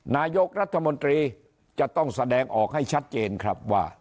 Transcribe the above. นายกรัฐมนตรีจะต้องแสดงออกให้ชัดเจนครับว่า